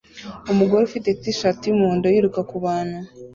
Umugore ufite t-shati yumuhondo yiruka kubantu